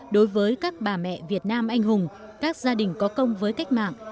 đối với các bà mẹ việt nam anh hùng các gia đình có công với cách mạng